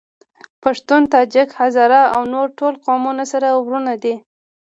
پښتون ، تاجک ، هزاره او نور ټول قومونه سره وروڼه دي.